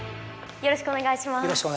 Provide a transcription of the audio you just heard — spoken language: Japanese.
よろしくお願いします。